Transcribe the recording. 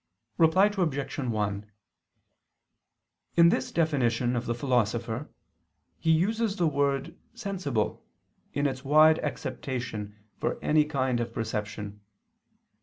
Reply Obj. 1: In this definition of the Philosopher, he uses the word "sensible" in its wide acceptation for any kind of perception.